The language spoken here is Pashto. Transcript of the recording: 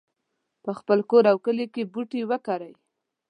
په خپل کور او کلي کې بوټي وکرئ